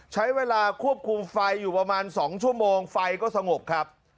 ใช้เวลาควบคุมไฟอยู่ประมาณ๒ชั่วโมงไฟก็สงบครับ